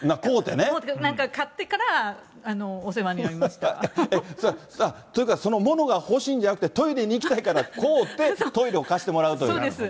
なんかかってからお世話になというか、その物が欲しいんじゃなくて、トイレに行きたいから、買うて、トイレを貸してもらうという。